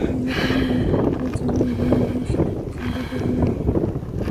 কারণ, আমি যতদূর জানি, এলিয়েনরা স্টোন পছন্দ করে না।